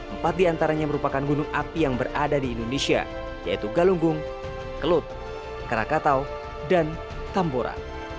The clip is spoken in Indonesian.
empat diantaranya merupakan gunung api yang berada di indonesia yaitu galunggung kelut krakatau dan tambora